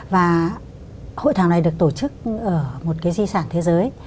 và hội thảo này được tổ chức ở một cái di sản thế giới